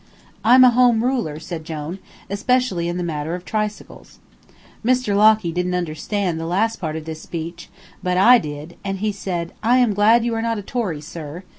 "I'm a Home Ruler," said Jone, "especially in the matter of tricycles." Mr. Locky didn't understand the last part of this speech, but I did, and he said, "I am glad you are not a Tory, sir.